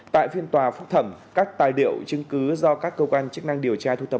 tại phiên tòa phúc thẩm các tài liệu chứng cứ do các cơ quan chức năng điều tra thu tập